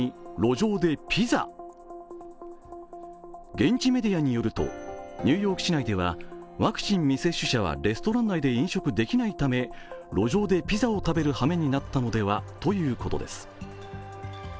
現地メディアによると、ニューヨーク市内では、ワクチン未接種者はレストラン内で飲食できないため路上でピザを食べるためになったのではということです。